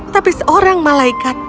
tapi seorang malaikat